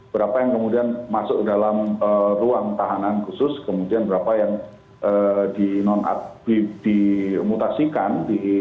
berapa yang kemudian masuk dalam ruang tahanan khusus kemudian berapa yang dimutasikan